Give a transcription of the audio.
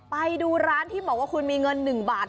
ไปดูร้านที่บอกว่าคุณมีเงิน๑บาท